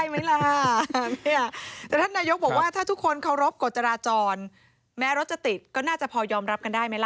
แม้รถจะติดก็น่าจะพอยอมรับกันได้ไหมล่ะ